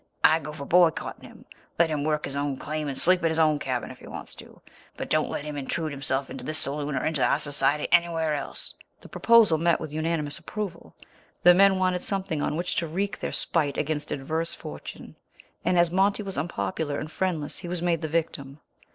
I go for boycotting him. Let him work his own claim and sleep in his own cabin if he wants to, but don't let him intrude himself into this saloon or into our society anywhere else." The proposal met with unanimous approval. The men wanted something on which to wreak their spite against adverse fortune, and as Monty was unpopular and friendless he was made the victim.